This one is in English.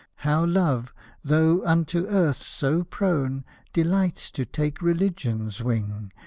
How Love, though unto earth so prone. Delights to take Religion's wing.